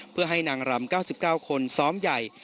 เพื่อให้นางรำ๙๙คนซ้อมใหญ่